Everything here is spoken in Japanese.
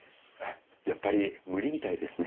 やっぱり無理みたいですね。